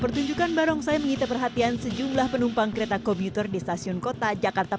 pertunjukan barongsai mengita perhatian sejumlah penumpang kereta komuter di stasiun kota jakarta